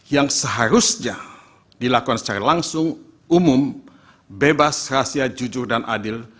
yang seharusnya dilakukan secara langsung umum bebas rahasia jujur dan adil